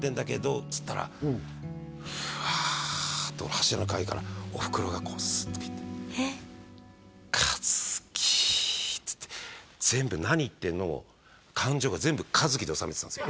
っつったらフワっと柱の陰からおふくろがスッと来てっつって全部「何言ってんの？」を感情が全部「和樹」でおさめてたんですよ